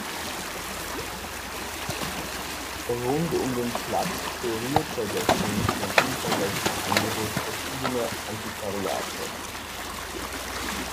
Rund um den Platz floriert seit Jahrzehnten ein umfangreiches Angebot verschiedener Antiquariate.